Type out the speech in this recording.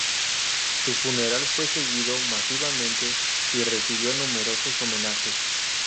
Su funeral fue seguido masivamente y recibió numerosos homenajes.